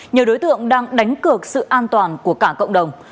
nhiều đối tượng đang đánh cược sự an toàn của cả cộng đồng